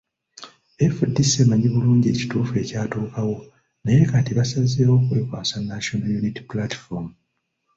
FDC emanyi bulungi ekituufu ekyatuukawo naye kati baasazeewo kwekwasa National Unity Platform